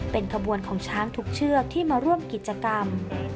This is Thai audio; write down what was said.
เป็นขบวนของช้างทุกเชือกที่มาร่วมกิจกรรม